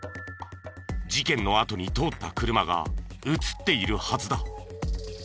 事件のあとに通った車が映っているはずだ。